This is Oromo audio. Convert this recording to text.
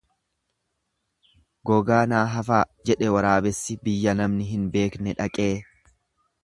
Gogaa naa hafaa jedhe waraabessi biyya namni hin beekne dhaqee.